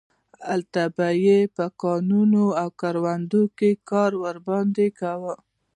هلته به یې په کانونو او کروندو کې کار ورباندې کاوه.